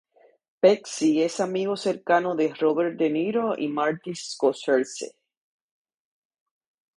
Pesci es amigo cercano de Robert De Niro y Martin Scorsese.